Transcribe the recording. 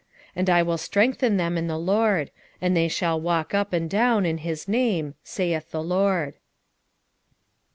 10:12 And I will strengthen them in the LORD; and they shall walk up and down in his name, saith the LORD.